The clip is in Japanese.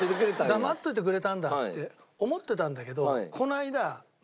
黙っててくれたんだって思ってたんだけど。